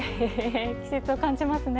季節を感じますね。